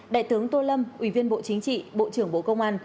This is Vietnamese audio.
đại tướng tô lâm ủy viên bộ chính trị bộ trưởng bộ công an